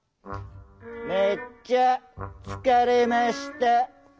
「めっちゃつかれました」。